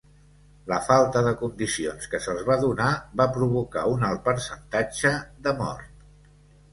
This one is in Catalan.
La falta de condicions que se'ls va donar va provocar un alt percentatge de mort.